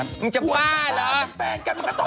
มันจะปล้าเหรอ